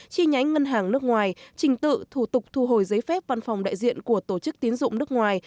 chi nhánh ngân hàng nước ngoài trình tự thủ tục thu hồi giấy phép văn phòng đại diện của tổ chức tiến dụng nước ngoài